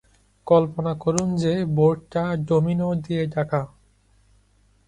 কল্পনা করুন যে, বোর্ডটা ডোমিনো দিয়ে ঢাকা।